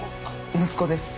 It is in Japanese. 息子です。